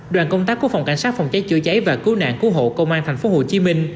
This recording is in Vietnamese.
đoàn công tác của phòng cảnh sát phòng cháy chữa cháy và cứu nạn cứu hộ công an tp hcm